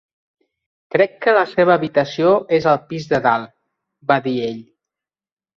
"Crec que la seva habitació és al pis de dalt", va dir ell.